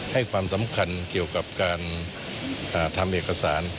ให้ความสำคัญเกี่ยวกับการทำเอกสาร